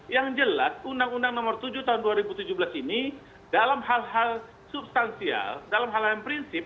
yang jelas undang undang nomor tujuh tahun dua ribu tujuh belas ini dalam hal hal substansial dalam hal hal yang prinsip